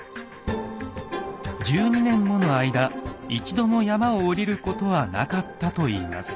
１２年もの間一度も山を下りることはなかったといいます。